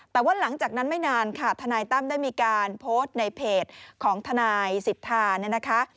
แต่ว่าหลังจากนั้นไม่นานค่ะทนายตั้มได้มีการโพสต์ในเพจของทนายสิทธาเนี่ยนะคะ